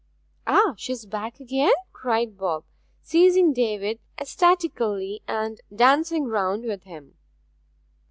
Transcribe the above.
'Ah she's back again?' cried Bob, seizing David, ecstatically, and dancing round with him.